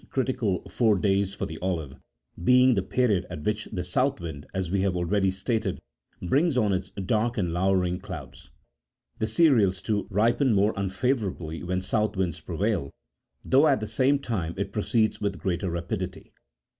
critical four days for the olive, being the period at which the south wind, as we have already18 stated, brings on its dark and lowering clouds. The cereals, too, ripen more unfavourably when south winds prevail, though at the same time it pro ceeds with greater rapidity.